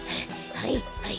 はいはい。